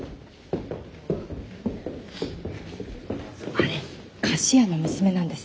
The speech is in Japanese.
あれ菓子屋の娘なんですって？